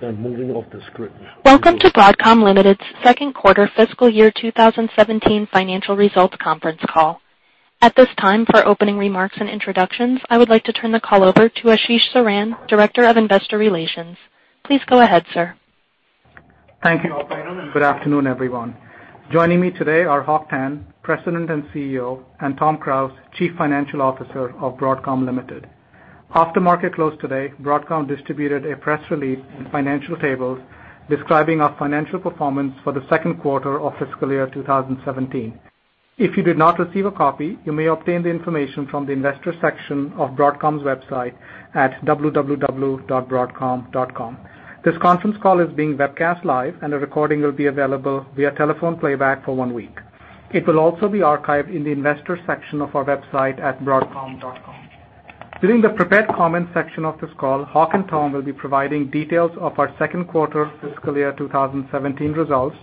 They're moving off the script. Welcome to Broadcom Limited's second quarter fiscal year 2017 financial results conference call. At this time, for opening remarks and introductions, I would like to turn the call over to Ashish Saran, Director of Investor Relations. Please go ahead, sir. Thank you. Good afternoon, everyone. Joining me today are Hock Tan, President and CEO, and Tom Krause, Chief Financial Officer of Broadcom Limited. After market close today, Broadcom distributed a press release and financial tables describing our financial performance for the second quarter of fiscal year 2017. If you did not receive a copy, you may obtain the information from the investor section of Broadcom's website at www.broadcom.com. This conference call is being webcast live and a recording will be available via telephone playback for one week. It will also be archived in the investors section of our website at broadcom.com. During the prepared comment section of this call, Hock and Tom will be providing details of our second quarter fiscal year 2017 results,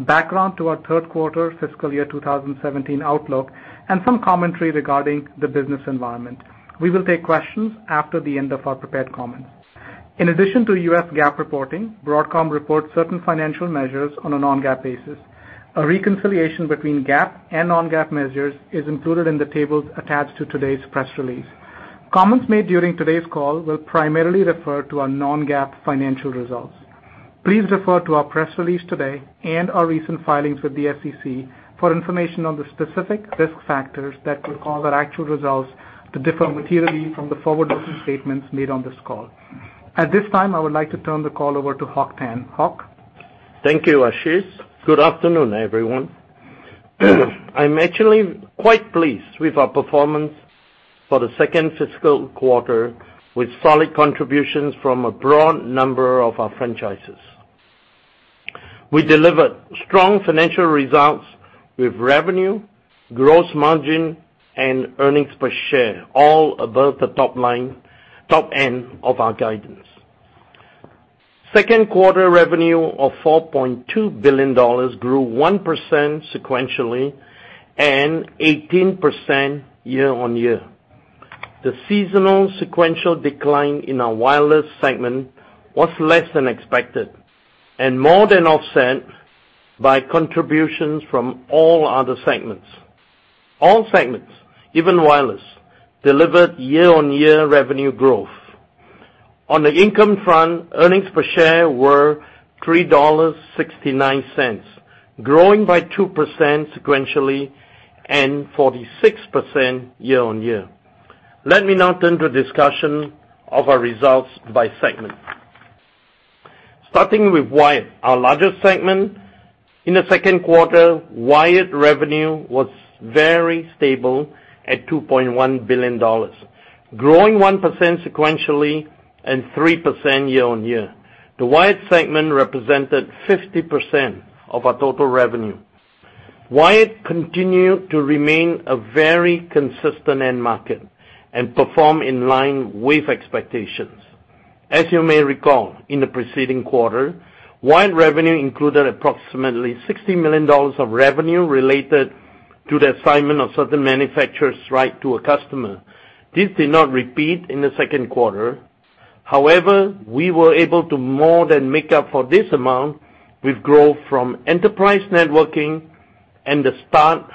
background to our third quarter fiscal year 2017 outlook, and some commentary regarding the business environment. We will take questions after the end of our prepared comments. In addition to U.S. GAAP reporting, Broadcom reports certain financial measures on a non-GAAP basis. A reconciliation between GAAP and non-GAAP measures is included in the tables attached to today's press release. Comments made during today's call will primarily refer to our non-GAAP financial results. Please refer to our press release today and our recent filings with the SEC for information on the specific risk factors that could cause our actual results to differ materially from the forward-looking statements made on this call. At this time, I would like to turn the call over to Hock Tan. Hock? Thank you, Ashish. Good afternoon, everyone. I am actually quite pleased with our performance for the second fiscal quarter, with solid contributions from a broad number of our franchises. We delivered strong financial results with revenue, gross margin and earnings per share, all above the top end of our guidance. Second quarter revenue of $4.2 billion grew 1% sequentially and 18% year-on-year. The seasonal sequential decline in our wireless segment was less than expected and more than offset by contributions from all other segments. All segments, even wireless, delivered year-on-year revenue growth. On the income front, earnings per share were $3.69, growing by 2% sequentially and 46% year-on-year. Let me now turn to a discussion of our results by segment. Starting with Wired, our largest segment. In the second quarter, Wired revenue was very stable at $2.1 billion, growing 1% sequentially and 3% year-on-year. The Wired segment represented 50% of our total revenue. Wired continued to remain a very consistent end market and perform in line with expectations. As you may recall, in the preceding quarter, Wired revenue included approximately $60 million of revenue related to the assignment of certain manufacturer's right to a customer. This did not repeat in the second quarter. However, we were able to more than make up for this amount with growth from enterprise networking and the start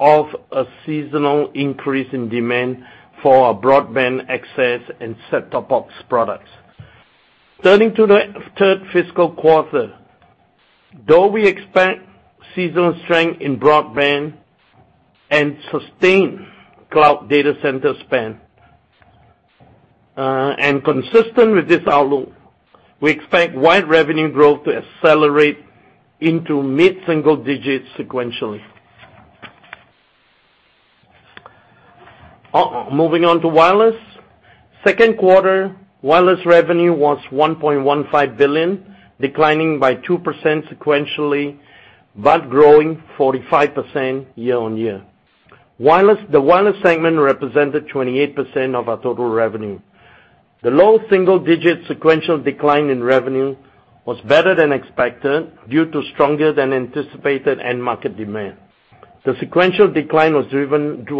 of a seasonal increase in demand for our broadband access and set-top box products. Turning to the third fiscal quarter, though we expect seasonal strength in broadband and sustained cloud data center spend. Consistent with this outlook, we expect Wired revenue growth to accelerate into mid-single digits sequentially. Moving on to Wireless. Second quarter Wireless revenue was $1.15 billion, declining by 2% sequentially, but growing 45% year-on-year. The Wireless segment represented 28% of our total revenue. The low single digit sequential decline in revenue was better than expected due to stronger than anticipated end market demand. The sequential decline was driven by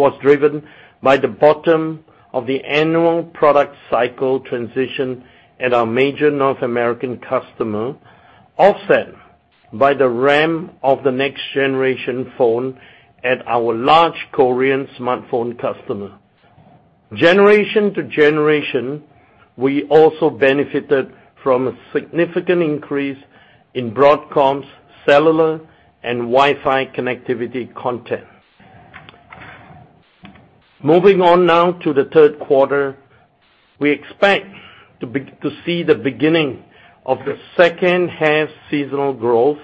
the bottom of the annual product cycle transition at our major North American customer, offset by the ramp of the next-generation phone at our large Korean smartphone customer. Generation to generation, we also benefited from a significant increase in Broadcom's cellular and Wi-Fi connectivity content. Moving on now to the third quarter. We expect to see the beginning of the second half seasonal growth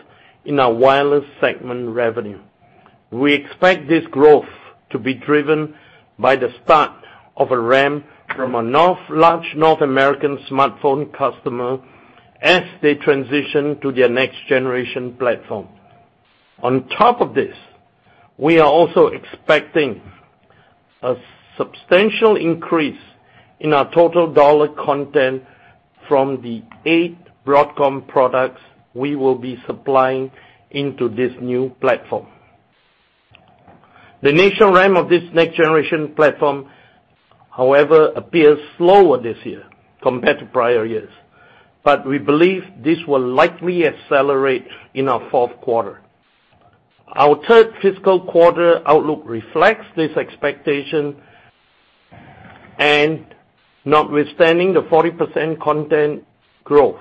in our Wireless segment revenue. We expect this growth to be driven by the start of a ramp from a large North American smartphone customer as they transition to their next-generation platform. On top of this, we are also expecting a substantial increase in our total dollar content from the eight Broadcom products we will be supplying into this new platform. The initial ramp of this next-generation platform, however, appears slower this year compared to prior years. We believe this will likely accelerate in our fourth quarter. Our third fiscal quarter outlook reflects this expectation, and notwithstanding the 40% content growth,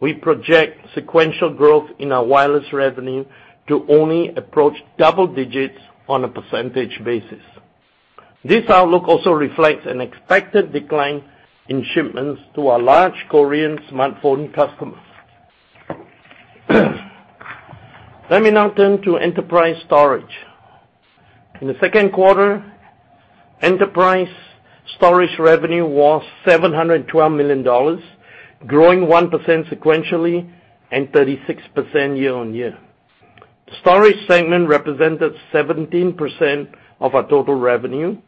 we project sequential growth in our wireless revenue to only approach double digits on a percentage basis. This outlook also reflects an expected decline in shipments to our large Korean smartphone customers. Let me now turn to enterprise storage. In the second quarter, enterprise storage revenue was $712 million, growing 1% sequentially and 36% year-on-year. The storage segment represented 17% of our total revenue.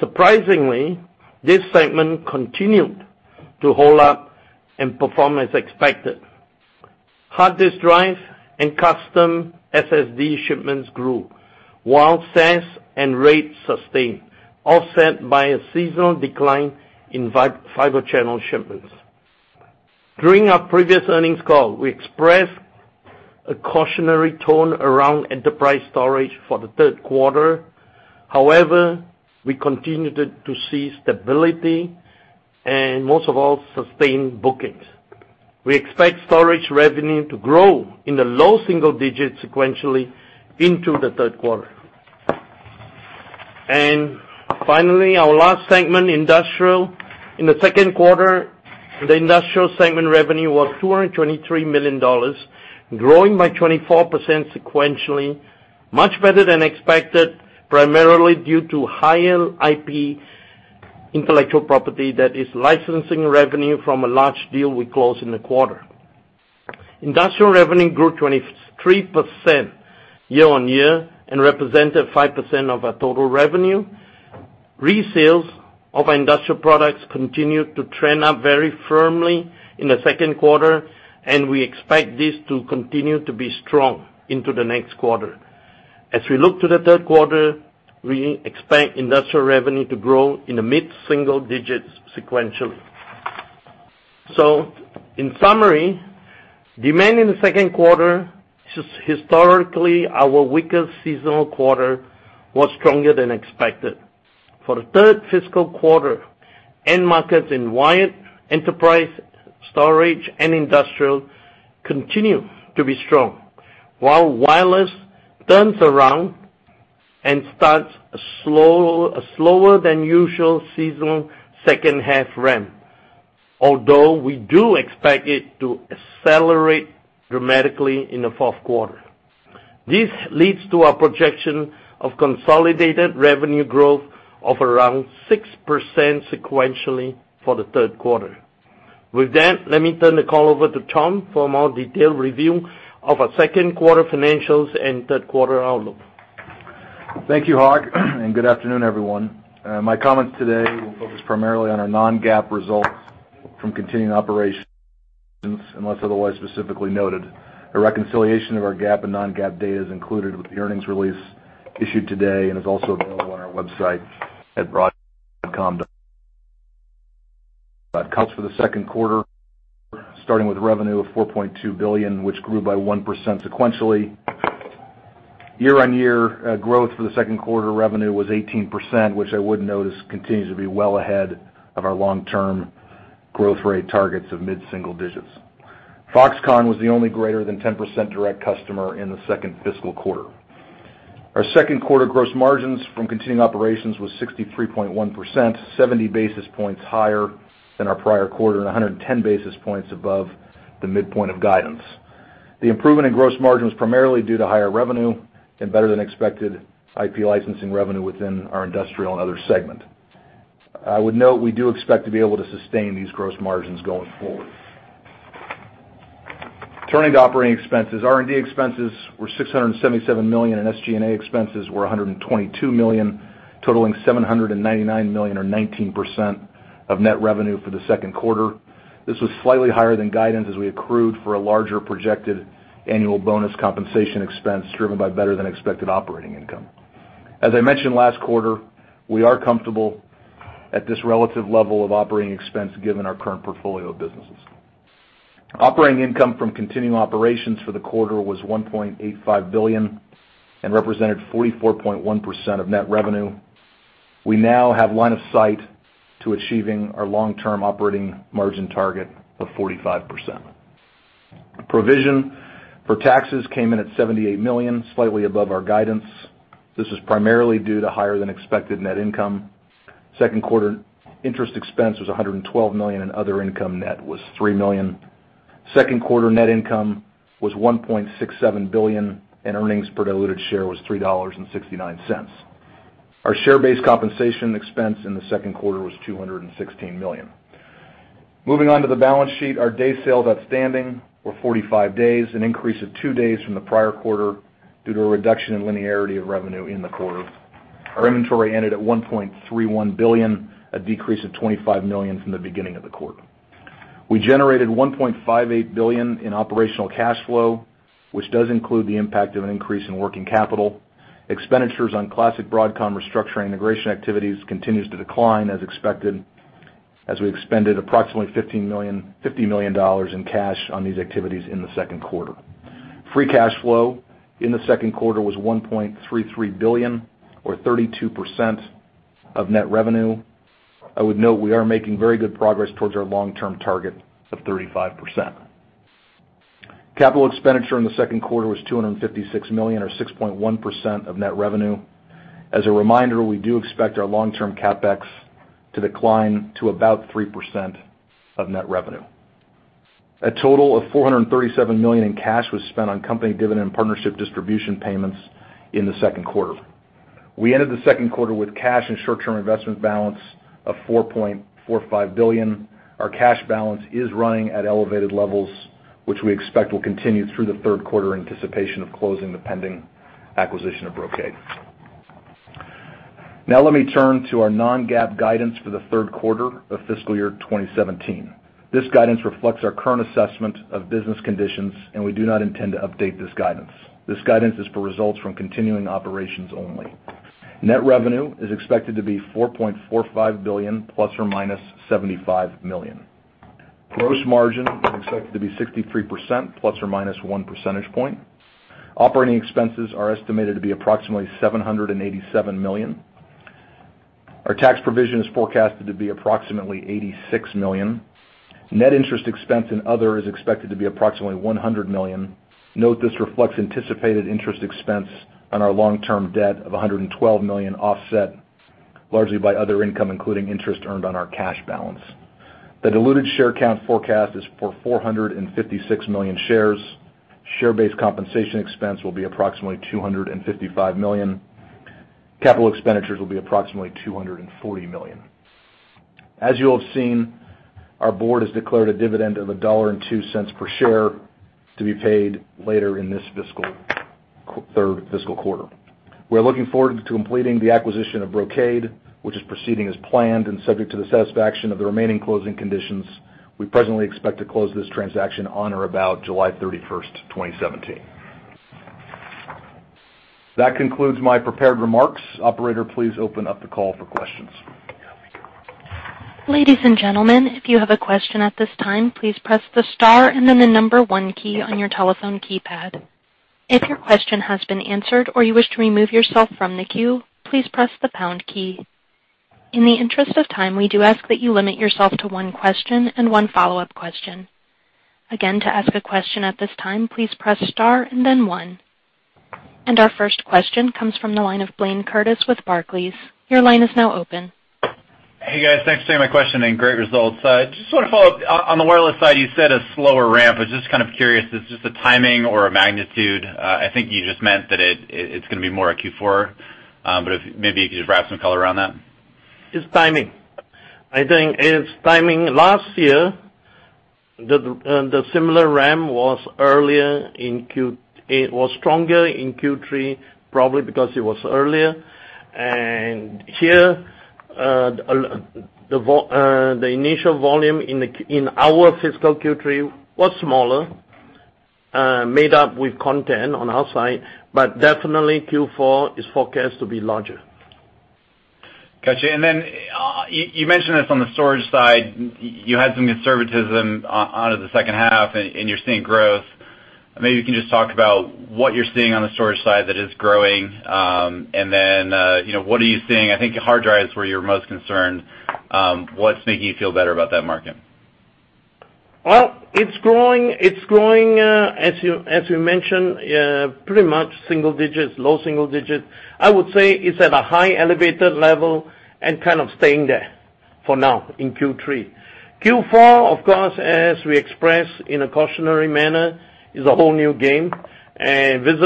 Surprisingly, this segment continued to hold up and perform as expected. Hard disk drive and custom SSD shipments grew while SAS and RAID sustained, offset by a seasonal decline in Fibre Channel shipments. During our previous earnings call, we expressed a cautionary tone around enterprise storage for the third quarter. We continued to see stability and, most of all, sustained bookings. We expect storage revenue to grow in the low single digits sequentially into the third quarter. Finally, our last segment, industrial. In the second quarter, the industrial segment revenue was $223 million, growing by 24% sequentially, much better than expected, primarily due to higher IP, intellectual property, that is licensing revenue from a large deal we closed in the quarter. Industrial revenue grew 23% year-on-year and represented 5% of our total revenue. Resales of our industrial products continued to trend up very firmly in the second quarter, we expect this to continue to be strong into the next quarter. As we look to the third quarter, we expect industrial revenue to grow in the mid single digits sequentially. In summary, demand in the second quarter, which is historically our weakest seasonal quarter, was stronger than expected. For the third fiscal quarter, end markets in wired enterprise storage and industrial continue to be strong, while wireless turns around and starts a slower-than-usual seasonal second-half ramp, although we do expect it to accelerate dramatically in the fourth quarter. This leads to our projection of consolidated revenue growth of around 6% sequentially for the third quarter. With that, let me turn the call over to Tom for a more detailed review of our second quarter financials and third quarter outlook. Thank you, Hock. Good afternoon, everyone. My comments today will focus primarily on our non-GAAP results from continuing operations, unless otherwise specifically noted. A reconciliation of our GAAP and non-GAAP data is included with the earnings release issued today, is also available on our website at broadcom.com. Accounts for the second quarter, starting with revenue of $4.2 billion, which grew by 1% sequentially. Year-on-year growth for the second quarter revenue was 18%, which I would notice continues to be well ahead of our long-term growth rate targets of mid-single digits. Foxconn was the only greater than 10% direct customer in the second fiscal quarter. Our second quarter gross margins from continuing operations was 63.1%, 70 basis points higher than our prior quarter, 110 basis points above the midpoint of guidance. The improvement in gross margin was primarily due to higher revenue and better than expected IP licensing revenue within our industrial and other segment. I would note we do expect to be able to sustain these gross margins going forward. Turning to operating expenses. R&D expenses were $677 million, and SG&A expenses were $122 million, totaling $799 million or 19% of net revenue for the second quarter. This was slightly higher than guidance as we accrued for a larger projected annual bonus compensation expense driven by better than expected operating income. As I mentioned last quarter, we are comfortable at this relative level of operating expense given our current portfolio of businesses. Operating income from continuing operations for the quarter was $1.85 billion and represented 44.1% of net revenue. We now have line of sight to achieving our long-term operating margin target of 45%. Provision for taxes came in at $78 million, slightly above our guidance. This is primarily due to higher than expected net income. Second quarter interest expense was $112 million, and other income net was $3 million. Second quarter net income was $1.67 billion, and earnings per diluted share was $3.69. Our share-based compensation expense in the second quarter was $216 million. Moving on to the balance sheet, our day sales outstanding were 45 days, an increase of two days from the prior quarter due to a reduction in linearity of revenue in the quarter. Our inventory ended at $1.31 billion, a decrease of $25 million from the beginning of the quarter. We generated $1.58 billion in operational cash flow, which does include the impact of an increase in working capital. Expenditures on classic Broadcom restructuring integration activities continues to decline as expected, as we expended approximately $50 million in cash on these activities in the second quarter. Free cash flow in the second quarter was $1.33 billion or 32% of net revenue. I would note we are making very good progress towards our long-term target of 35%. Capital expenditure in the second quarter was $256 million or 6.1% of net revenue. As a reminder, we do expect our long-term CapEx to decline to about 3% of net revenue. A total of $437 million in cash was spent on company dividend partnership distribution payments in the second quarter. We ended the second quarter with cash and short-term investment balance of $4.45 billion. Our cash balance is running at elevated levels, which we expect will continue through the third quarter in anticipation of closing the pending acquisition of Brocade. Let me turn to our non-GAAP guidance for the third quarter of fiscal year 2017. This guidance reflects our current assessment of business conditions and we do not intend to update this guidance. This guidance is for results from continuing operations only. Net revenue is expected to be $4.45 billion ± $75 million. Gross margin is expected to be 63% ± one percentage point. Operating expenses are estimated to be approximately $787 million. Our tax provision is forecasted to be approximately $86 million. Net interest expense and other is expected to be approximately $100 million. Note this reflects anticipated interest expense on our long-term debt of $112 million, offset largely by other income including interest earned on our cash balance. The diluted share count forecast is for 456 million shares. Share-based compensation expense will be approximately $255 million. Capital expenditures will be approximately $240 million. As you all have seen, our board has declared a dividend of $1.02 per share to be paid later in this third fiscal quarter. We're looking forward to completing the acquisition of Brocade, which is proceeding as planned and subject to the satisfaction of the remaining closing conditions. We presently expect to close this transaction on or about July 31st, 2017. That concludes my prepared remarks. Operator, please open up the call for questions. Ladies and gentlemen, if you have a question at this time, please press the star and then the number one key on your telephone keypad. If your question has been answered or you wish to remove yourself from the queue, please press the pound key. In the interest of time, we do ask that you limit yourself to one question and one follow-up question. Again, to ask a question at this time, please press star and then one. Our first question comes from the line of Blayne Curtis with Barclays. Your line is now open. Hey guys, thanks for taking my question and great results. Just want to follow up. On the wireless side you said a slower ramp. I was just kind of curious if it's just a timing or a magnitude. I think you just meant that it's going to be more a Q4, but if maybe you could just wrap some color around that. It's timing. I think it's timing. Last year, the similar ramp was earlier in Q3 probably because it was earlier. Here, the initial volume in our fiscal Q3 was smaller, made up with content on our side. Definitely Q4 is forecast to be larger. Got you. Then you mentioned this on the storage side, you had some conservatism onto the second half and you're seeing growth. Maybe you can just talk about what you're seeing on the storage side that is growing, then, what are you seeing? I think hard drive is where you're most concerned. What's making you feel better about that market? Well, it's growing. It's growing, as you mentioned, pretty much single digits, low single digits. I would say it's at a high elevated level and kind of staying there for now in Q3. Q4, of course, as we expressed in a cautionary manner, is a whole new game. We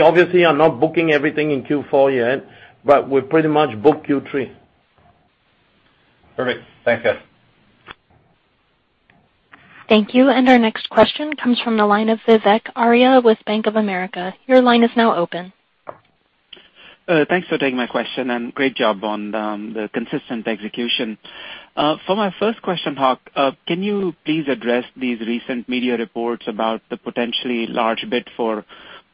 obviously are not booking everything in Q4 yet, but we've pretty much booked Q3. Perfect. Thanks guys. Thank you. Our next question comes from the line of Vivek Arya with Bank of America. Your line is now open. Thanks for taking my question and great job on the consistent execution. For my first question, Hock, can you please address these recent media reports about the potentially large bid for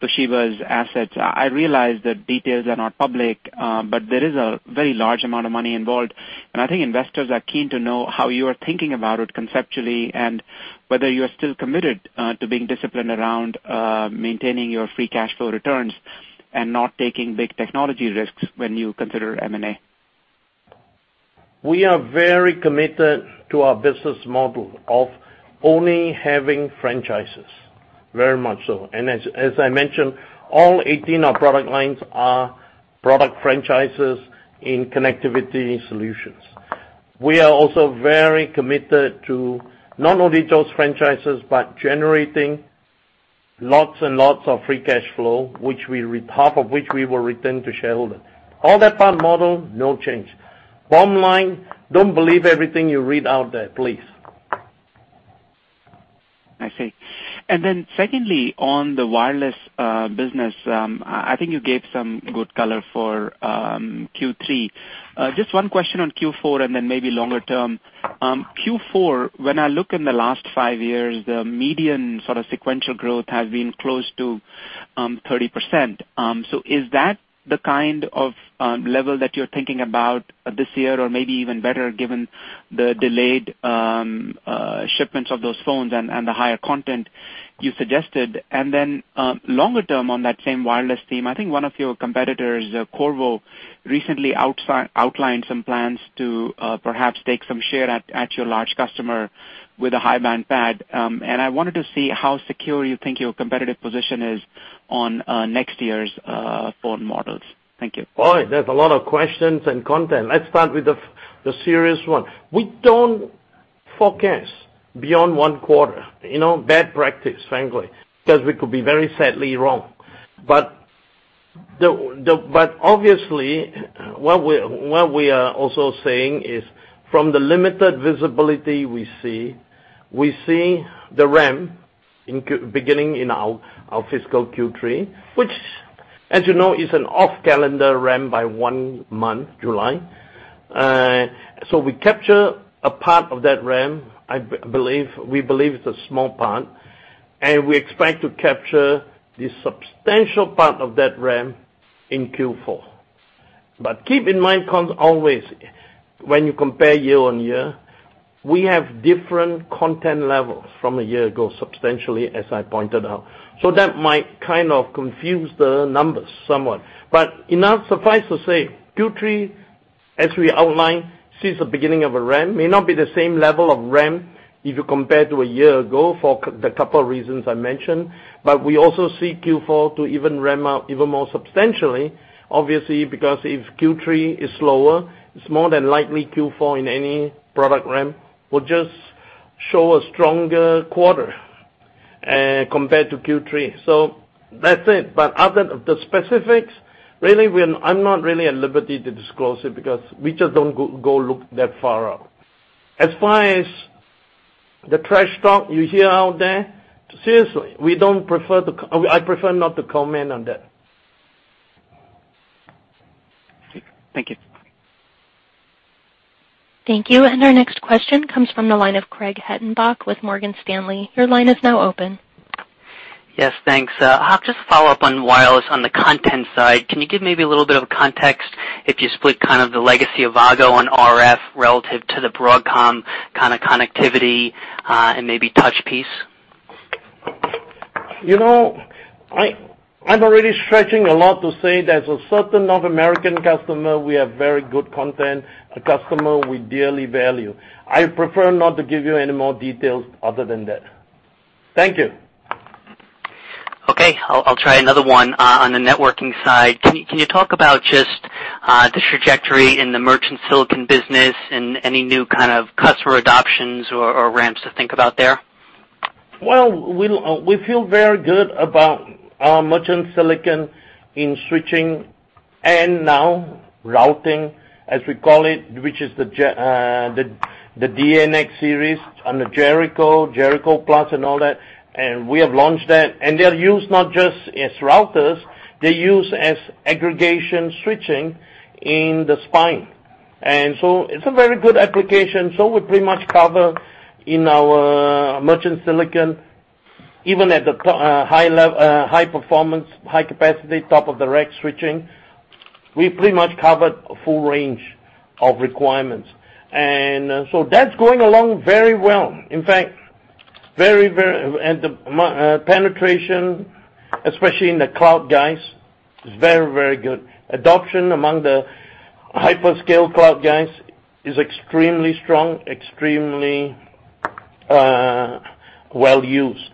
Toshiba's assets? I realize that details are not public, but there is a very large amount of money involved and I think investors are keen to know how you are thinking about it conceptually and whether you are still committed to being disciplined around maintaining your free cash flow returns and not taking big technology risks when you consider M&A. We are very committed to our business model of only having franchises. Very much so. As I mentioned, all 18 of our product lines are product franchises in connectivity solutions. We are also very committed to not only those franchises, but generating lots and lots of free cash flow, half of which we will return to shareholders. All that part model, no change. Bottom line, don't believe everything you read out there, please. I see. Secondly, on the wireless business, I think you gave some good color for Q3. Just one question on Q4 and then maybe longer term. Q4, when I look in the last five years, the median sort of sequential growth has been close to 30%. Is that the kind of level that you're thinking about this year or maybe even better given the delayed shipments of those phones and the higher content you suggested? Longer term on that same wireless theme, I think one of your competitors, Qorvo, recently outlined some plans to perhaps take some share at your large customer with a high-band PAD. I wanted to see how secure you think your competitive position is on next year's phone models. Thank you. Boy, that's a lot of questions and content. Let's start with the serious one. We don't forecast beyond one quarter. Bad practice, frankly, because we could be very sadly wrong. Obviously, what we are also saying is from the limited visibility we see, we see the ramp beginning in our fiscal Q3, which as you know is an off-calendar ramp by one month, July. We capture a part of that ramp. We believe it's a small part, and we expect to capture the substantial part of that ramp in Q4. Keep in mind, always, when you compare year-on-year, we have different content levels from a year ago, substantially, as I pointed out. That might kind of confuse the numbers somewhat. Suffice to say, Q3, as we outlined, sees the beginning of a ramp, may not be the same level of ramp if you compare to a year ago for the couple of reasons I mentioned, we also see Q4 to even ramp up even more substantially, obviously, because if Q3 is slower, it's more than likely Q4 in any product ramp will just show a stronger quarter compared to Q3. That's it. Other than the specifics, really, I'm not really at liberty to disclose it because we just don't go look that far out. As far as the trash talk you hear out there, seriously, I prefer not to comment on that. Thank you. Thank you. Our next question comes from the line of Craig Hettenbach with Morgan Stanley. Your line is now open. Yes, thanks. Hock, just to follow up on wireless on the content side, can you give maybe a little bit of context if you split kind of the legacy of Avago on RF relative to the Broadcom kind of connectivity and maybe touch piece? I'm already stretching a lot to say there's a certain North American customer we have very good content, a customer we dearly value. I prefer not to give you any more details other than that. Thank you. Okay. I'll try another one on the networking side. Can you talk about just the trajectory in the merchant silicon business and any new kind of customer adoptions or ramps to think about there? Well, we feel very good about our merchant silicon in switching and now routing, as we call it, which is the StrataDNX series on the Jericho+ and all that. We have launched that. They're used not just as routers, they're used as aggregation switching in the spine. It's a very good application. We pretty much cover in our merchant silicon, even at the high performance, high capacity, top-of-the-rack switching, we pretty much covered a full range of requirements. That's going along very well. In fact, the penetration, especially in the cloud guys, is very, very good. Adoption among the hyperscale cloud guys is extremely strong, extremely well used.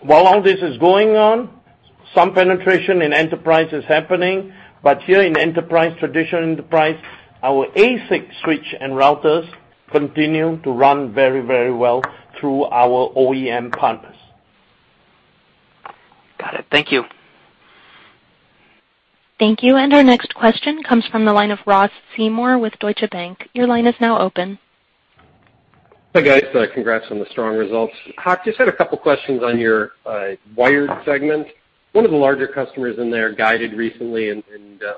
While all this is going on, some penetration in enterprise is happening, but here in enterprise, traditional enterprise, our ASIC switch and routers continue to run very, very well through our OEM partners. Got it. Thank you. Thank you. Our next question comes from the line of Ross Seymore with Deutsche Bank. Your line is now open. Hi, guys. Congrats on the strong results. Hock, just had a couple questions on your wired segment. One of the larger customers in there guided recently a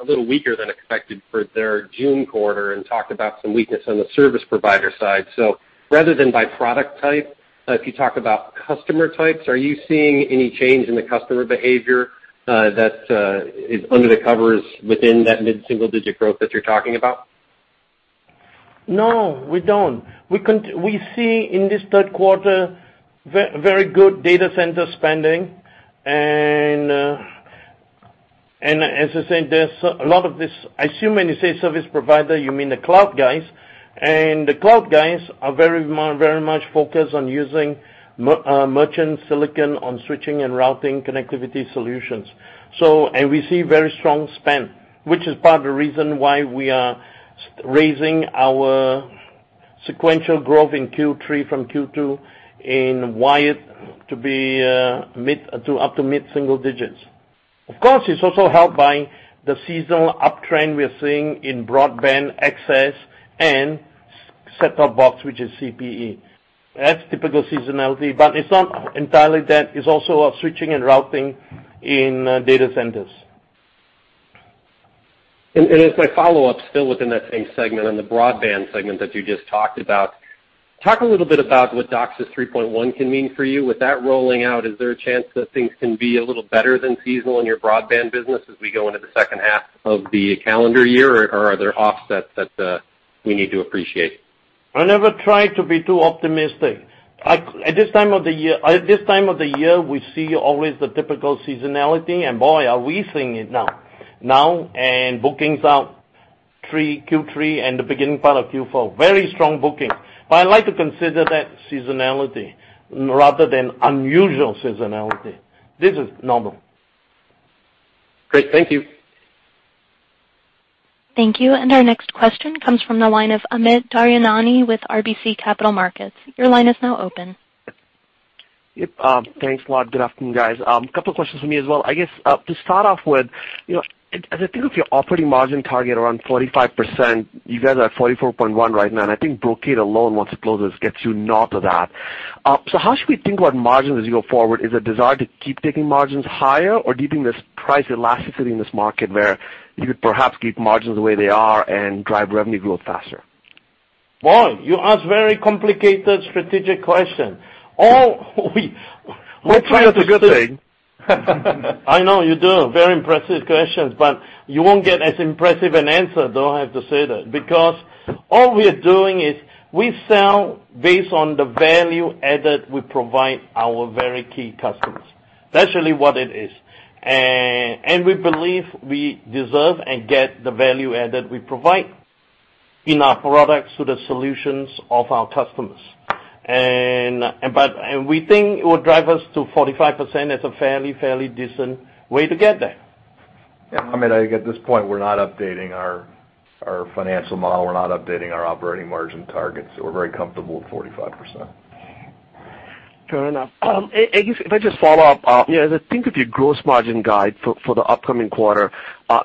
little weaker than expected for their June quarter and talked about some weakness on the service provider side. Rather than by product type, if you talk about customer types, are you seeing any change in the customer behavior that is under the covers within that mid-single digit growth that you're talking about? No, we don't. We see in this third quarter very good data center spending. As I said, there's a lot of this, I assume when you say service provider, you mean the cloud guys. The cloud guys are very much focused on using merchant silicon on switching and routing connectivity solutions. We see very strong spend, which is part of the reason why we are raising our sequential growth in Q3 from Q2 in wired to up to mid-single digits. Of course, it's also helped by the seasonal uptrend we are seeing in broadband access and set-top box, which is CPE. That's typical seasonality, but it's not entirely that. It's also switching and routing in data centers. As my follow-up, still within that same segment, on the broadband segment that you just talked about, talk a little bit about what DOCSIS 3.1 can mean for you. With that rolling out, is there a chance that things can be a little better than seasonal in your broadband business as we go into the second half of the calendar year, or are there offsets that we need to appreciate? I never try to be too optimistic. At this time of the year, we see always the typical seasonality, boy, are we seeing it now. Now, bookings are Q3 and the beginning part of Q4. Very strong booking. I like to consider that seasonality rather than unusual seasonality. This is normal. Great. Thank you. Thank you. Our next question comes from the line of Amit Daryanani with RBC Capital Markets. Your line is now open. Yep. Thanks a lot. Good afternoon, guys. Couple of questions from me as well. I guess, to start off with, as I think of your operating margin target around 45%, you guys are at 44.1% right now, and I think Brocade alone, once it closes, gets you not to that. How should we think about margins as you go forward? Is the desire to keep taking margins higher or keeping this price elasticity in this market where you could perhaps keep margins the way they are and drive revenue growth faster? Boy, you ask very complicated, strategic question. We're trying out the good thing. I know, you do very impressive questions, but you won't get as impressive an answer, though I have to say that. All we're doing is we sell based on the value added we provide our very key customers. That's really what it is. We believe we deserve and get the value added we provide in our products to the solutions of our customers. We think it will drive us to 45% as a fairly decent way to get there. Yeah. Amit, I think at this point, we're not updating our financial model. We're not updating our operating margin targets. We're very comfortable with 45%. Fair enough. I guess if I just follow up, as I think of your gross margin guide for the upcoming quarter,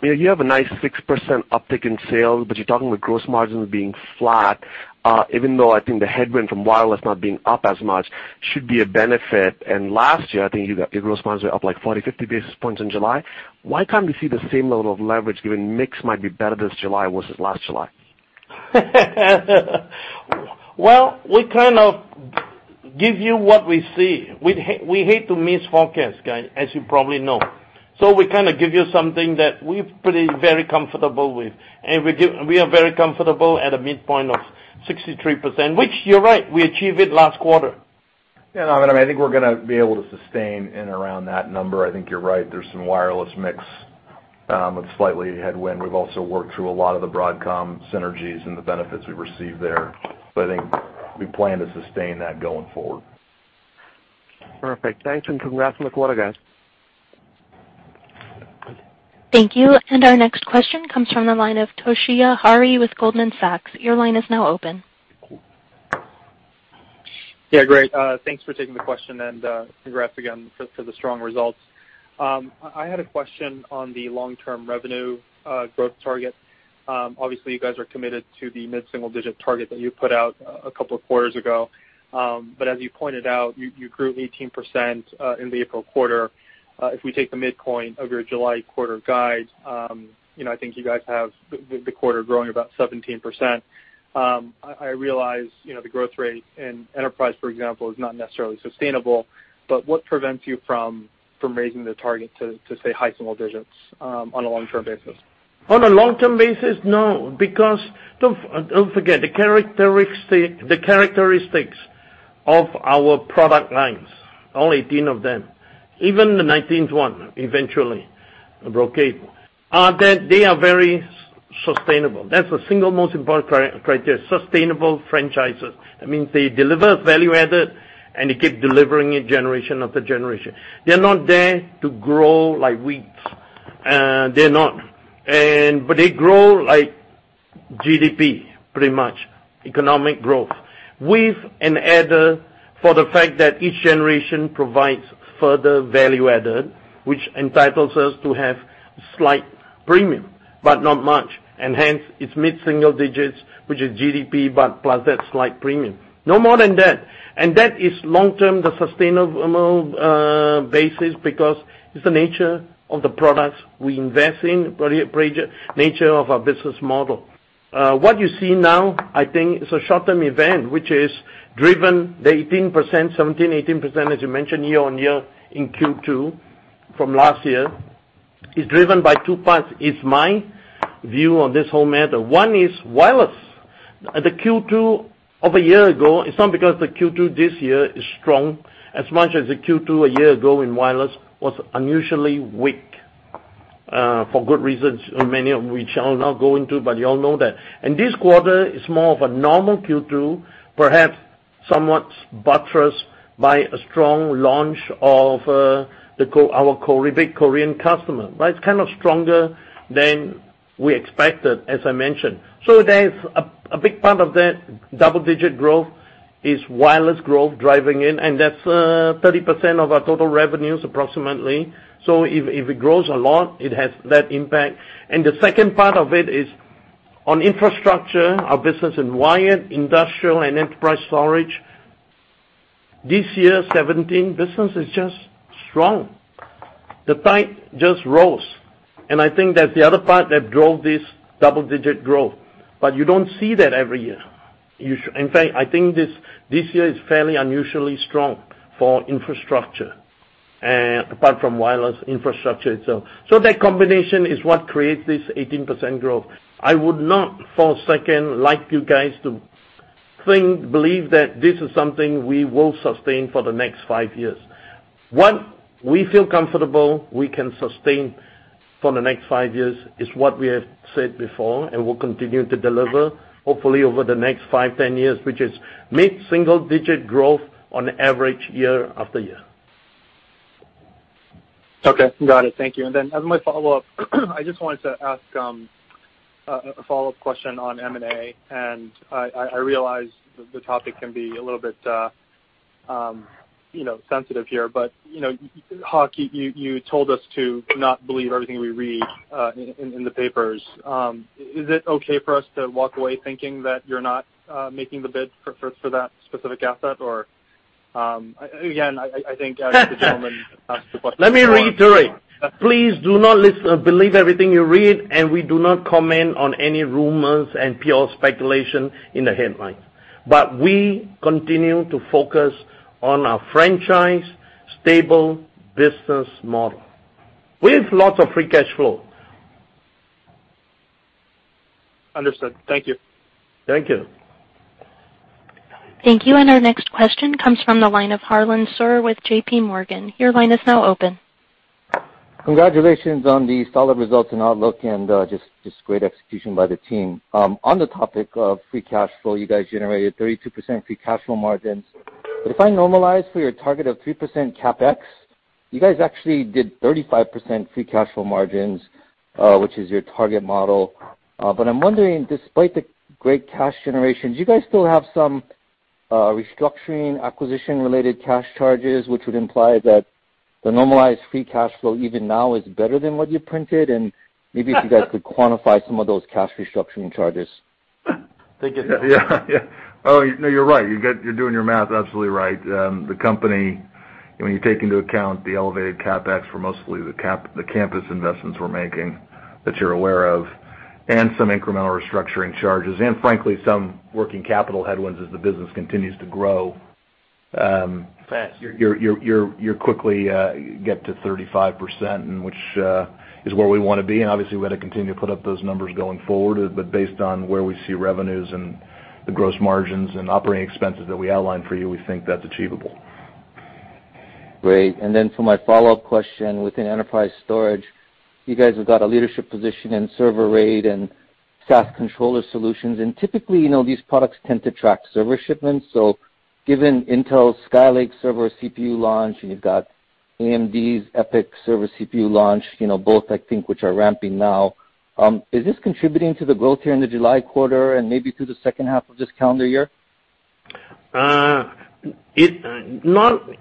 you have a nice 6% uptick in sales, but you're talking with gross margins being flat, even though I think the headwind from wireless not being up as much should be a benefit. Last year, I think your gross margins were up 40, 50 basis points in July. Why can't we see the same level of leverage, given mix might be better this July versus last July? Well, we give you what we see. We hate to miss forecast guide, as you probably know. We give you something that we're pretty, very comfortable with, and we are very comfortable at a midpoint of 63%, which you're right, we achieved it last quarter. Yeah, no, Amit, I think we're going to be able to sustain in around that number. I think you're right. There's some wireless mix with slightly headwind. We've also worked through a lot of the Broadcom synergies and the benefits we've received there. I think we plan to sustain that going forward. Perfect. Thanks and congrats on the quarter, guys. Thank you. Our next question comes from the line of Toshiya Hari with Goldman Sachs. Your line is now open. Yeah, great. Thanks for taking the question and congrats again for the strong results. I had a question on the long-term revenue growth target. Obviously, you guys are committed to the mid-single digit target that you put out a couple of quarters ago. As you pointed out, you grew 18% in the April quarter. If we take the midpoint of your July quarter guide, I think you guys have the quarter growing about 17%. I realize the growth rate in enterprise, for example, is not necessarily sustainable, but what prevents you from raising the target to, say, high single digits on a long-term basis? On a long-term basis, no, because don't forget, the characteristics of our product lines, all 18 of them, even the 19th one, eventually, Brocade, they are very sustainable. That's the single most important criteria, sustainable franchises. That means they deliver value added, and they keep delivering it generation after generation. They're not there to grow like weeds. They're not. They grow like GDP, pretty much, economic growth. With an added for the fact that each generation provides further value added, which entitles us to have slight premium, but not much. Hence, it's mid-single digits, which is GDP, but plus that slight premium. No more than that. That is long-term, the sustainable basis because it's the nature of the products we invest in, nature of our business model. What you see now, I think, is a short-term event, which is driven the 18%, 17%, 18%, as you mentioned, year-over-year in Q2 from last year, is driven by two parts, is my view on this whole matter. One is wireless. The Q2 of a year ago, it's not because the Q2 this year is strong as much as the Q2 a year ago in wireless was unusually weak. For good reasons, many of which I'll not go into, but you all know that. This quarter is more of a normal Q2, perhaps somewhat buttressed by a strong launch of our big Korean customer. It's kind of stronger than we expected, as I mentioned. There's a big part of that double-digit growth is wireless growth driving it, and that's 30% of our total revenues, approximately. If it grows a lot, it has that impact. The second part of it is on infrastructure, our business in wired, industrial, and enterprise storage. This year, 2017, business is just strong. The tide just rose. I think that's the other part that drove this double-digit growth. You don't see that every year. In fact, I think this year is fairly unusually strong for infrastructure, apart from wireless infrastructure itself. That combination is what creates this 18% growth. I would not for a second like you guys to believe that this is something we will sustain for the next five years. What we feel comfortable we can sustain for the next five years is what we have said before, and we'll continue to deliver, hopefully over the next five, 10 years, which is mid-single digit growth on average year-after-year. Okay, got it. Thank you. As my follow-up, I just wanted to ask a follow-up question on M&A, I realize the topic can be a little bit sensitive here, Hock, you told us to not believe everything we read in the papers. Is it okay for us to walk away thinking that you're not making the bid for that specific asset, or again, I think as the gentleman asked the question. Let me reiterate. Please do not believe everything you read, we do not comment on any rumors and pure speculation in the headlines. We continue to focus on our franchise stable business model with lots of free cash flow. Understood. Thank you. Thank you. Thank you. Our next question comes from the line of Harlan Sur with J.P. Morgan. Your line is now open. Congratulations on the solid results and outlook and just great execution by the team. On the topic of free cash flow, you guys generated 32% free cash flow margins. If I normalize for your target of 3% CapEx, you guys actually did 35% free cash flow margins, which is your target model. I'm wondering, despite the great cash generations, you guys still have some restructuring, acquisition-related cash charges, which would imply that the normalized free cash flow even now is better than what you printed, and maybe if you guys could quantify some of those cash restructuring charges. Take it. No, you're right. You're doing your math absolutely right. The company, when you take into account the elevated CapEx for mostly the campus investments we're making that you're aware of, and some incremental restructuring charges, and frankly, some working capital headwinds as the business continues to grow- Yes you quickly get to 35%, and which is where we want to be, and obviously, we had to continue to put up those numbers going forward, but based on where we see revenues and the gross margins and operating expenses that we outlined for you, we think that's achievable. Great. For my follow-up question, within enterprise storage, you guys have got a leadership position in server RAID and SAS controller solutions, and typically, these products tend to track server shipments. Given Intel's Skylake server CPU launch, and you've got AMD's EPYC server CPU launch, both I think, which are ramping now, is this contributing to the growth here in the July quarter and maybe through the second half of this calendar year? Not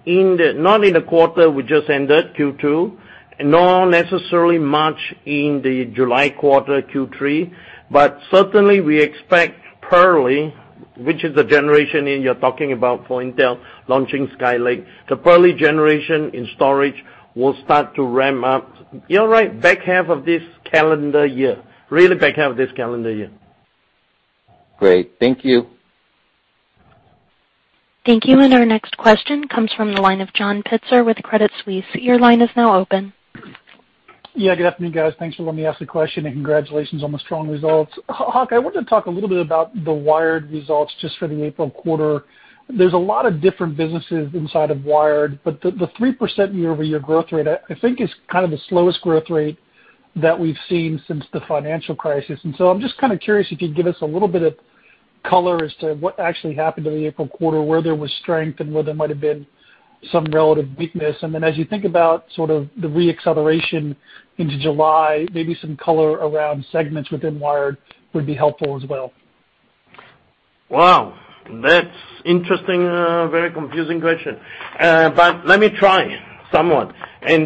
in the quarter we just ended, Q2, nor necessarily much in the July quarter, Q3, but certainly we expect Purley, which is the generation, and you're talking about for Intel launching Skylake. The Purley generation in storage will start to ramp up. You're right, back half of this calendar year. Really back half of this calendar year. Great. Thank you. Thank you. Our next question comes from the line of John Pitzer with Credit Suisse. Your line is now open. Yeah, good afternoon, guys. Thanks for letting me ask the question, and congratulations on the strong results. Hock, I wanted to talk a little bit about the Wired results just for the April quarter. There's a lot of different businesses inside of Wired, but the 3% year-over-year growth rate, I think is kind of the slowest growth rate that we've seen since the financial crisis. So I'm just curious if you'd give us a little bit of color as to what actually happened in the April quarter, where there was strength and where there might have been some relative weakness. Then as you think about sort of the re-acceleration into July, maybe some color around segments within Wired would be helpful as well. Wow. That's interesting. Very confusing question. Let me try somewhat.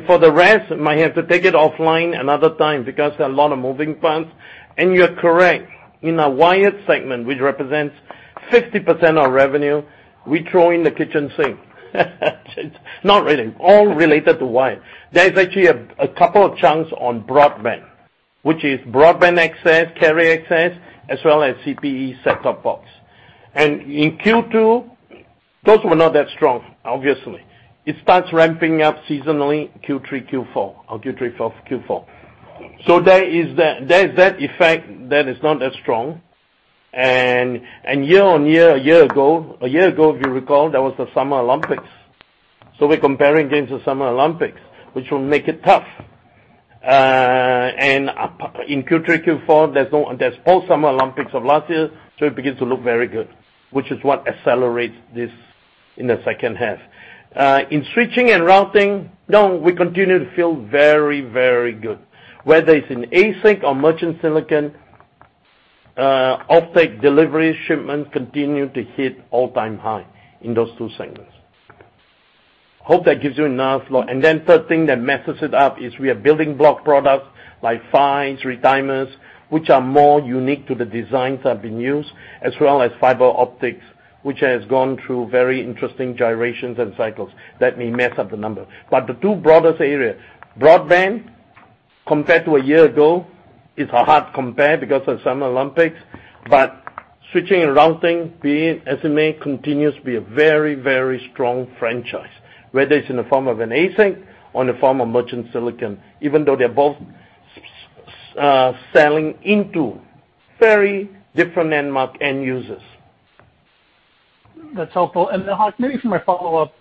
For the rest, might have to take it offline another time because there are a lot of moving parts. You're correct. In our wired segment, which represents 50% of our revenue, we throw in the kitchen sink. Not really. All related to wired. There is actually a couple of chunks on broadband, which is broadband access, carrier access, as well as CPE set-top box. In Q2, those were not that strong, obviously. It starts ramping up seasonally Q3, Q4, or Q3, Q4. There is that effect that is not as strong. Year-over-year, a year ago, if you recall, there was the Summer Olympics. We're comparing against the Summer Olympics, which will make it tough. In Q3, Q4, there's post-Summer Olympics of last year, it begins to look very good, which is what accelerates this In the second half. In switching and routing, we continue to feel very, very good. Whether it's in ASIC or merchant silicon, offtake delivery shipment continue to hit all-time high in those two segments. Hope that gives you enough flow. Third thing that messes it up is we are building block products like PHYs, retimers, which are more unique to the designs that have been used, as well as fiber optics, which has gone through very interesting gyrations and cycles that may mess up the number. The two broadest area, broadband compared to a year ago, is a hard compare because of the Summer Olympics, switching and routing being SMA continues to be a very, very strong franchise, whether it's in the form of an ASIC or in the form of merchant silicon, even though they're both selling into very different end market end users. That's helpful. Hock, maybe for my follow-up,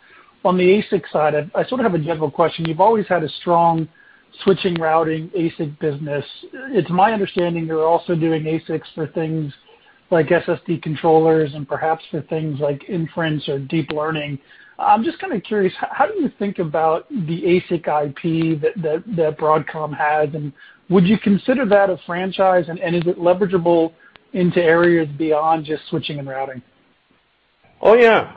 on the ASIC side, I sort of have a general question. You've always had a strong switching, routing, ASIC business. It's my understanding you're also doing ASICs for things like SSD controllers and perhaps for things like inference or deep learning. I'm just kind of curious, how do you think about the ASIC IP that Broadcom has? Would you consider that a franchise? Is it leverageable into areas beyond just switching and routing? Oh, yeah.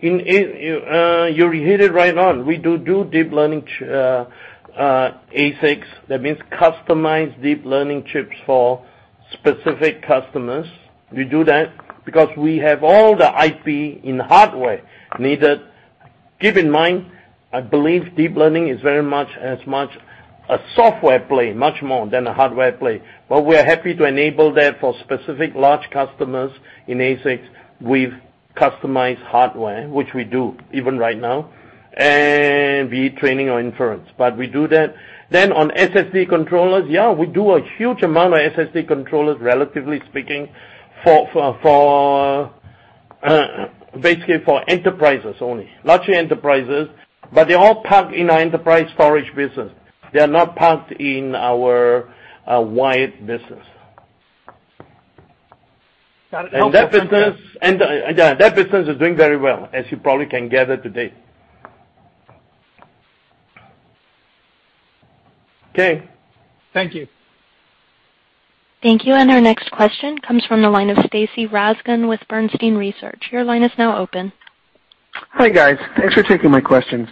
You hit it right on. We do deep learning ASICs. That means customized deep learning chips for specific customers. We do that because we have all the IP in the hardware needed. Keep in mind, I believe deep learning is very much as much a software play, much more than a hardware play. We're happy to enable that for specific large customers in ASICs with customized hardware, which we do even right now, and be it training or inference. We do that. On SSD controllers, yeah, we do a huge amount of SSD controllers, relatively speaking, basically for enterprises only. Large enterprises, but they're all parked in our enterprise storage business. They are not parked in our wide business. Got it. That business is doing very well, as you probably can gather to date. Okay. Thank you. Thank you. Our next question comes from the line of Stacy Rasgon with Bernstein Research. Your line is now open. Hi, guys. Thanks for taking my questions.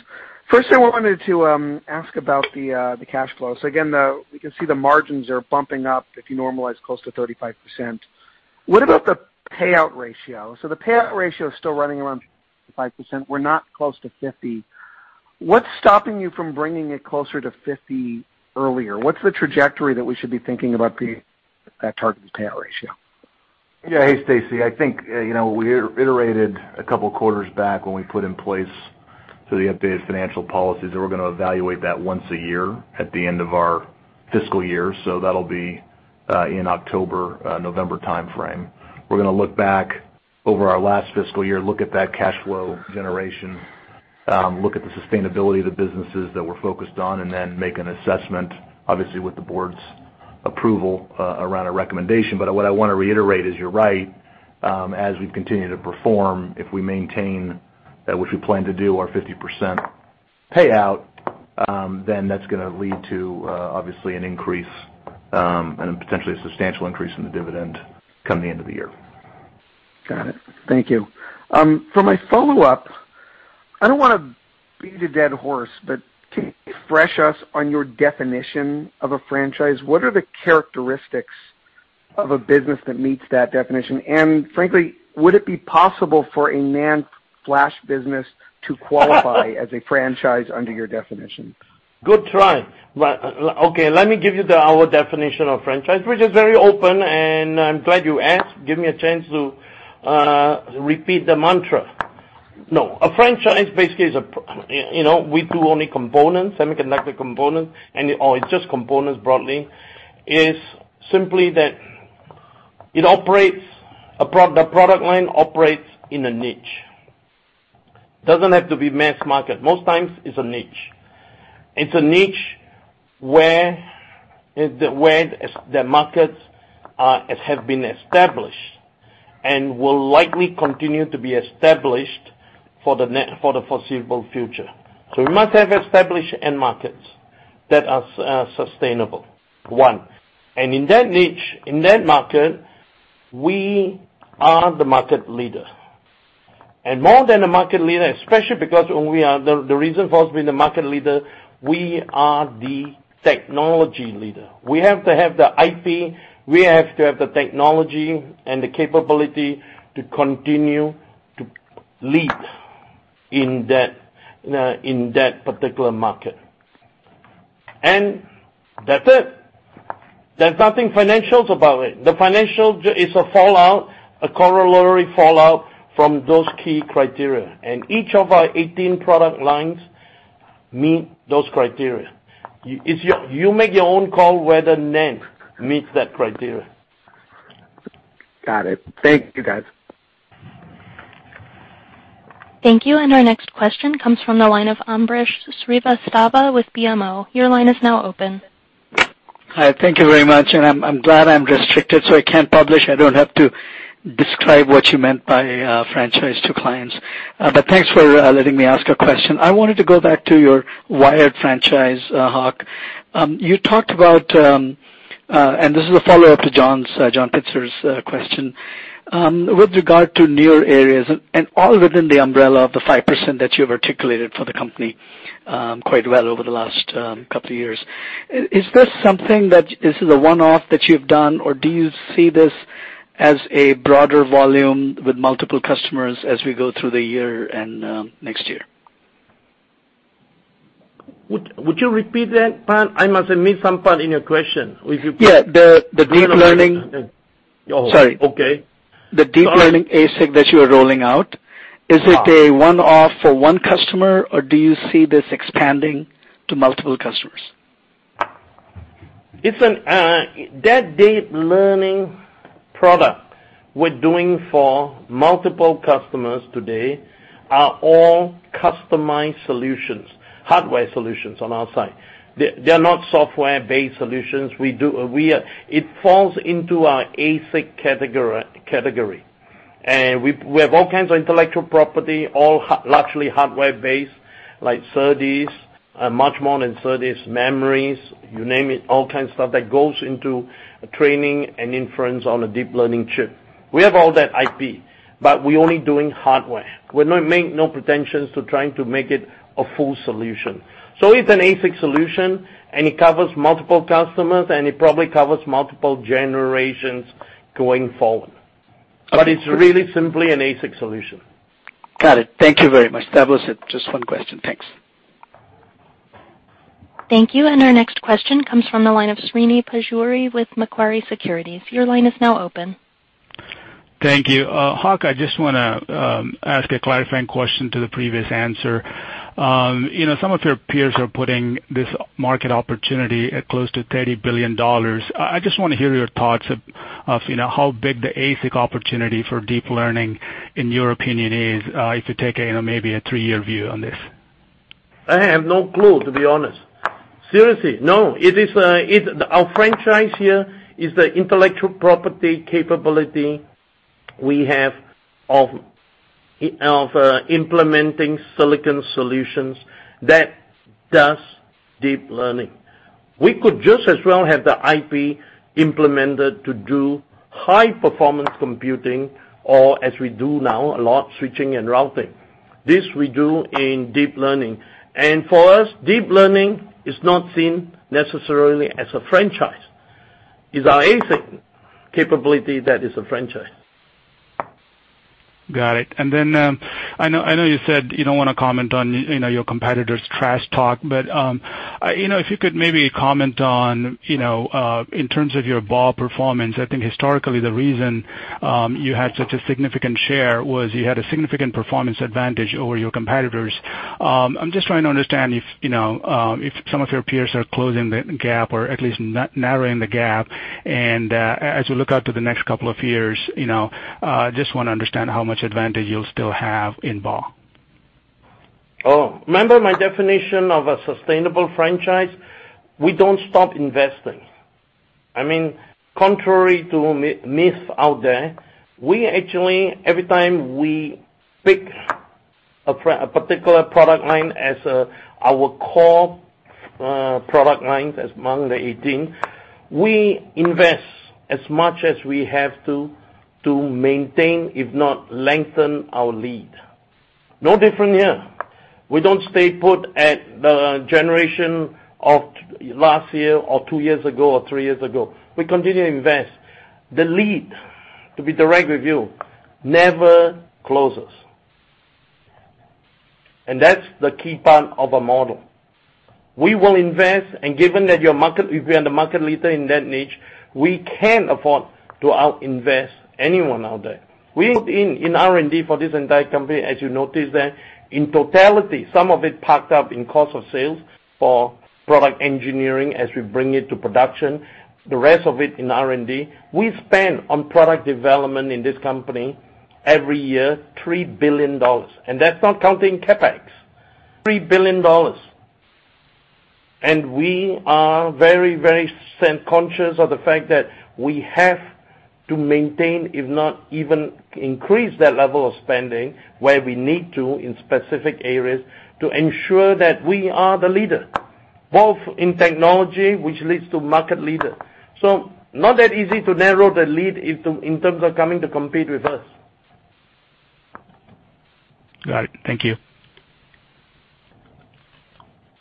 First thing I wanted to ask about the cash flow. Again, we can see the margins are bumping up, if you normalize close to 35%. What about the payout ratio? The payout ratio is still running around 5%. We're not close to 50. What's stopping you from bringing it closer to 50 earlier? What's the trajectory that we should be thinking about for that target payout ratio? Yeah. Hey, Stacy. I think we iterated a couple of quarters back when we put in place the updated financial policies that we're going to evaluate that once a year at the end of our fiscal year. That'll be in October, November timeframe. We're going to look back over our last fiscal year, look at that cash flow generation, look at the sustainability of the businesses that we're focused on, and then make an assessment, obviously with the board's approval, around a recommendation. What I want to reiterate is, you're right, as we continue to perform, if we maintain, which we plan to do, our 50% payout, then that's going to lead to, obviously, an increase, and potentially a substantial increase in the dividend come the end of the year. Got it. Thank you. For my follow-up, I don't want to beat a dead horse, but can you refresh us on your definition of a franchise? What are the characteristics of a business that meets that definition? Frankly, would it be possible for a NAND flash business to qualify as a franchise under your definition? Good try. Okay, let me give you our definition of franchise, which is very open. I'm glad you asked, give me a chance to repeat the mantra. No, a franchise basically is, we do only components, semiconductor components, or it's just components broadly, is simply that the product line operates in a niche. Doesn't have to be mass market. Most times it's a niche. It's a niche where the markets have been established and will likely continue to be established for the foreseeable future. So we must have established end markets that are sustainable, one. In that niche, in that market, we are the market leader. More than a market leader, especially because the reason for us being the market leader, we are the technology leader. We have to have the IP, we have to have the technology and the capability to continue to lead in that particular market. That's it. There's nothing financials about it. The financial is a fallout, a corollary fallout from those key criteria. Each of our 18 product lines meet those criteria. You make your own call whether NAND meets that criteria. Got it. Thank you, guys. Thank you. Our next question comes from the line of Ambrish Srivastava with BMO. Your line is now open. Hi, thank you very much. I'm glad I'm restricted, so I can't publish. I don't have to describe what you meant by franchise to clients. Thanks for letting me ask a question. I wanted to go back to your wired franchise, Hock. You talked about, and this is a follow-up to John Pitzer's question. With regard to newer areas and all within the umbrella of the 5% that you've articulated for the company quite well over the last couple of years, is this something that is a one-off that you've done, or do you see this as a broader volume with multiple customers as we go through the year and next year? Would you repeat that part? I must have missed some part in your question. Yeah, the deep learning. Oh, okay. Sorry. The deep learning ASIC that you are rolling out, is it a one-off for one customer, or do you see this expanding to multiple customers? That deep learning product we're doing for multiple customers today are all customized solutions, hardware solutions on our side. They are not software-based solutions. It falls into our ASIC category. We have all kinds of intellectual property, all largely hardware-based, like SerDes, much more than SerDes, memories, you name it, all kinds of stuff that goes into training and inference on a deep learning chip. We have all that IP, but we're only doing hardware. We make no pretensions to trying to make it a full solution. It's an ASIC solution, and it covers multiple customers, and it probably covers multiple generations going forward. Okay. It's really simply an ASIC solution. Got it. Thank you very much. That was it. Just one question. Thanks. Thank you. Our next question comes from the line of Srini Pajjuri with Macquarie Group. Your line is now open. Thank you. Hock, I just want to ask a clarifying question to the previous answer. Some of your peers are putting this market opportunity at close to $30 billion. I just want to hear your thoughts of how big the ASIC opportunity for deep learning, in your opinion is, if you take maybe a three-year view on this. I have no clue, to be honest. Seriously, no. Our franchise here is the intellectual property capability we have of implementing silicon solutions that does deep learning. We could just as well have the IP implemented to do high performance computing, or as we do now, a lot switching and routing. This we do in deep learning. For us, deep learning is not seen necessarily as a franchise. Is our ASIC capability that is a franchise. Got it. I know you said you don't want to comment on your competitor's trash talk, but if you could maybe comment on, in terms of your BAW performance, I think historically the reason you had such a significant share was you had a significant performance advantage over your competitors. I'm just trying to understand if some of your peers are closing the gap or at least narrowing the gap, and as we look out to the next couple of years, just want to understand how much advantage you'll still have in BAW. Oh, remember my definition of a sustainable franchise? We don't stop investing. Contrary to myth out there, we actually, every time we pick a particular product line as our core product lines, as among the 18, we invest as much as we have to maintain, if not lengthen our lead. No different here. We don't stay put at the generation of last year or two years ago or three years ago. We continue to invest. The lead, to be direct with you, never closes. That's the key part of a model. We will invest, and given that we are the market leader in that niche, we can afford to out-invest anyone out there. We put in R&D for this entire company, as you notice that in totality, some of it parked up in cost of sales for product engineering as we bring it to production, the rest of it in R&D. We spend on product development in this company every year, $3 billion. That's not counting CapEx. $3 billion. We are very conscious of the fact that we have to maintain, if not even increase that level of spending where we need to in specific areas to ensure that we are the leader, both in technology, which leads to market leader. Not that easy to narrow the lead in terms of coming to compete with us. Got it. Thank you.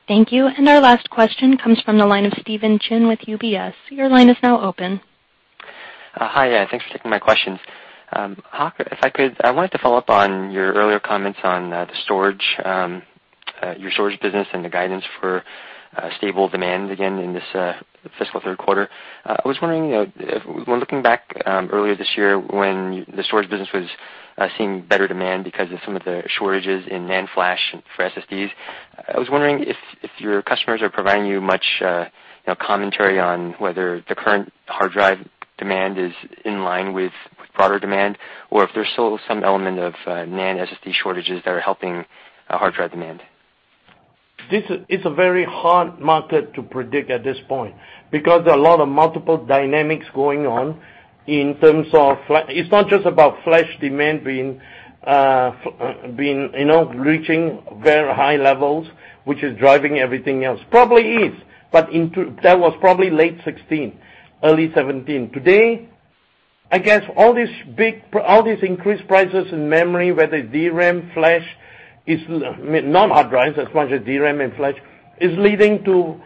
Thank you. Our last question comes from the line of Stephen Chin with UBS. Your line is now open. Hi, thanks for taking my questions. Hock, if I could, I wanted to follow up on your earlier comments on the storage, your storage business, and the guidance for stable demand again in this fiscal third quarter. I was wondering, when looking back earlier this year when the storage business was seeing better demand because of some of the shortages in NAND flash for SSDs, I was wondering if your customers are providing you much commentary on whether the current hard drive demand is in line with broader demand, or if there's still some element of NAND SSD shortages that are helping hard drive demand. This is a very hard market to predict at this point because there are a lot of multiple dynamics going on in terms of It's not just about flash demand reaching very high levels, which is driving everything else. Probably is, but that was probably late 2016, early 2017. Today, I guess all these increased prices in memory, whether it's DRAM, flash, not hard drives as much as DRAM and flash, is leading to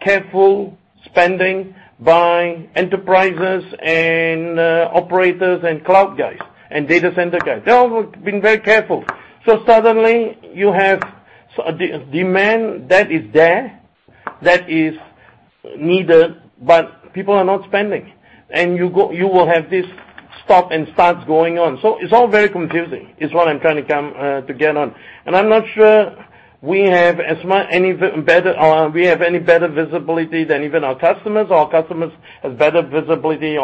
careful spending by enterprises and operators and cloud guys and data center guys. They're all being very careful. Suddenly you have demand that is there, that is needed, but people are not spending. You will have this stop and start going on. It's all very confusing, is what I'm trying to get on. I'm not sure we have any better visibility than even our customers or our customers has better visibility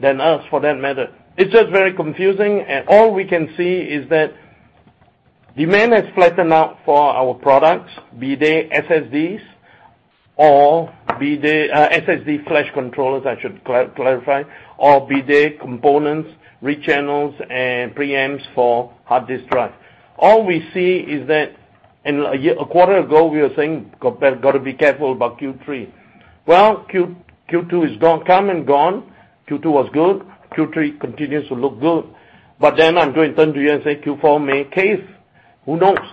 than us for that matter. It's just very confusing, and all we can see is that demand has flattened out for our products, be they SSDs or be they SSD flash controllers, I should clarify, or be they components, read channels, and preamplifiers for hard disk drive. All we see is that a quarter ago, we were saying, "Got to be careful about Q3." Well, Q2 has come and gone. Q2 was good. Q3 continues to look good. I'm going to turn to you and say Q4 may cave. Who knows?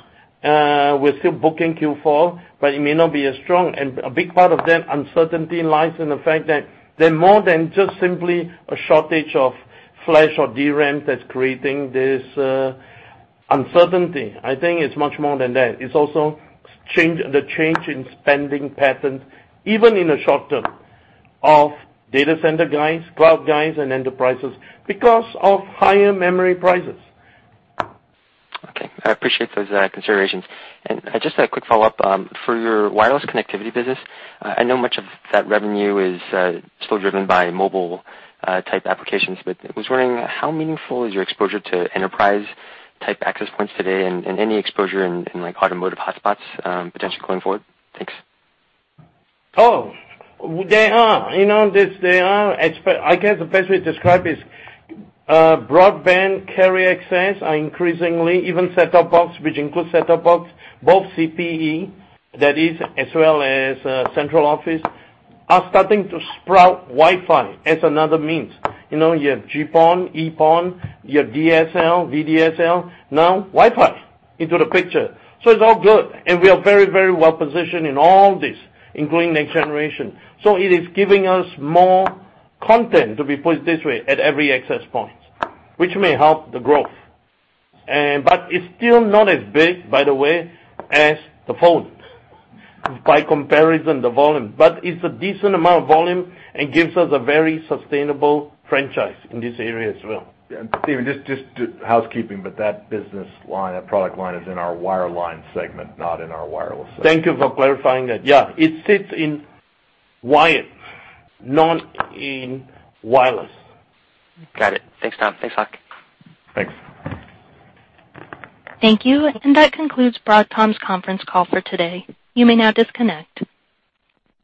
We're still booking Q4, but it may not be as strong. A big part of that uncertainty lies in the fact that they're more than just simply a shortage of flash or DRAM that's creating this uncertainty. I think it's much more than that. It's also the change in spending patterns, even in the short term, of data center guys, cloud guys, and enterprises because of higher memory prices. Okay. I appreciate those considerations. Just a quick follow-up. For your wireless connectivity business, I know much of that revenue is still driven by mobile-type applications, but I was wondering, how meaningful is your exposure to enterprise-type access points today and any exposure in automotive hotspots potentially going forward? Thanks. Oh, they are. I guess the best way to describe is broadband carrier access are increasingly, even set-top box, which includes set-top box, both CPE, that is, as well as central office, are starting to sprout Wi-Fi as another means. You have GPON, EPON, you have DSL, VDSL, now Wi-Fi into the picture. It's all good. We are very well-positioned in all this, including next generation. It is giving us more content to be put this way at every access point, which may help the growth. It's still not as big, by the way, as the phone by comparison, the volume. It's a decent amount of volume and gives us a very sustainable franchise in this area as well. Stephen, just housekeeping, but that business line, that product line is in our wireline segment, not in our wireless segment. Thank you for clarifying that. Yeah. It sits in wired, not in wireless. Got it. Thanks, Tom. Thanks, Hock. Thanks. Thank you. That concludes Broadcom's conference call for today. You may now disconnect.